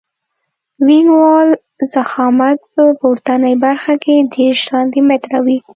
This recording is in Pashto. د وینګ وال ضخامت په پورتنۍ برخه کې دېرش سانتي متره وي